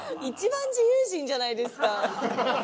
一番自由人じゃないですか。